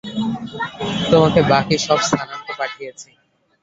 তোমাকে বাকি সব স্থানাঙ্ক পাঠিয়েছি।